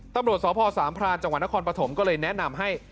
ตำรวจสพสามพรานจังหวัดนครปฐมก็เลยแนะนำให้